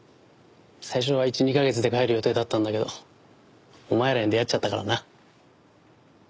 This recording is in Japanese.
最初は１２カ月で帰る予定だったんだけどお前らに出会っちゃったからな。